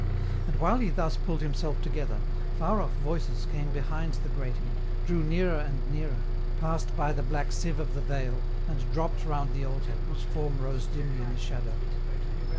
And while he thus pulled him self together, far off voices came behind the grating, drew nearer and nearer, passed by the black sieve of the veil. EN ROUTE. 83 and dropped round the altar, whose form rose dimly in the shadow.